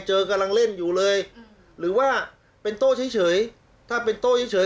กำลังเล่นอยู่เลยหรือว่าเป็นโต้เฉยถ้าเป็นโต้เฉย